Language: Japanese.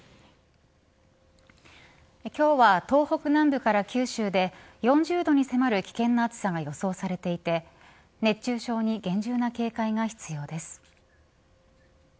今日は東北南部から九州で４０度に迫る危険な暑さが予想されていて熱中症に厳重な警戒が必要です。